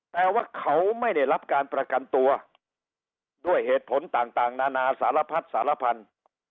แต่ว่าเขาไม่ได้รับการประกันตัวด้วยเหตุผลต่างนานาสารพัดสารพันธุ์